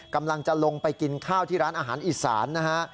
กำลังจะลงไปกินข้าวที่ร้านอาหารอีสานนะฮะ